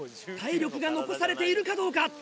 体力が残されているかどうか。